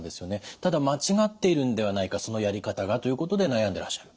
ただ間違っているんではないかそのやり方がということで悩んでらっしゃる。